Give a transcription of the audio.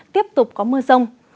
tiếp tục có mưa sông